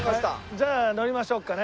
じゃあ乗りましょうかね。